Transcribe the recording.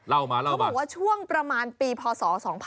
เขาบอกว่าช่วงประมาณปีพศ๒๕๖๒